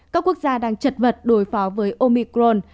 các quốc gia đang chật vật đối phó với omicron